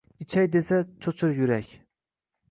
Ichay desa — cho’chir yurak